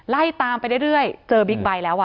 ไล่ตามไปเรื่อยเจอบิ๊กไบท์แล้ว